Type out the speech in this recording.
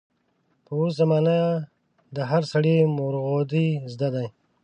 په اوس زمانه د هر سړي مورغودۍ زده دي.